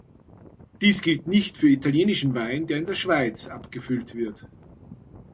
Dies gilt nicht für italienischen Wein, der in der Schweiz abgefüllt wird.